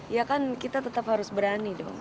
ya kan kita tetap harus berani dong